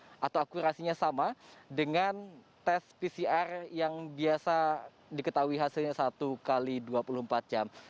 atau akurasinya sama dengan tes pcr yang biasa diketahui hasilnya satu x dua puluh empat jam